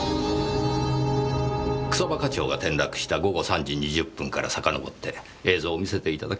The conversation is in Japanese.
草葉課長が転落した午後３時２０分からさかのぼって映像を見せていただけますか。